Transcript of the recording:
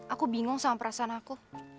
aku bingung sama perasaan aku